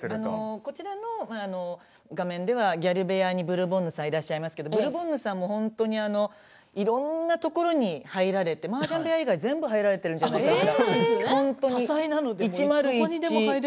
こちらの画面ではギャル部屋にブルボンヌさんがいらっしゃいますけどブルボンヌさんも本当にいろんなところに入られてマージャン部屋以外、全部入られてるんじゃないかしら。